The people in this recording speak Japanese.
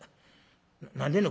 何でんの？